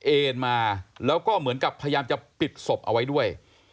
เอ็นมาแล้วก็เหมือนกับพยายามจะปิดศพเอาไว้ด้วย